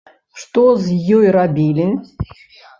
Што з ёй рабілі?